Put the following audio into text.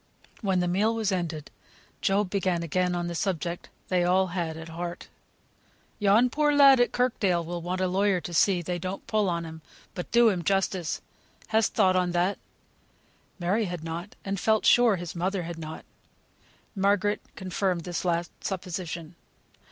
When the meal was ended Job began again on the subject they all had at heart. "Yon poor lad at Kirkdale will want a lawyer to see they don't put on him, but do him justice. Hast thought of that?" Mary had not, and felt sure his mother had not. Margaret confirmed this last supposition.